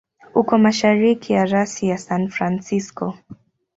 Uko mashariki ya rasi ya San Francisco.